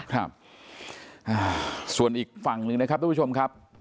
ครับส่วนอีกฝั่งหนึ่งนะครับทุกผู้ชมครับ